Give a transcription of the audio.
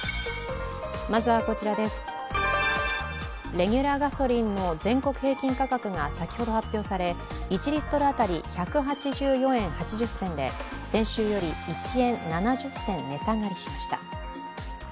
レギュラーガソリンの全国平均価格が先ほど発表され、１リットル当たり１８４円８０銭で先週より１円７０銭値下がりしました。